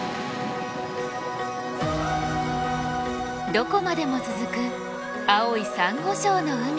どこまでも続く青いサンゴ礁の海。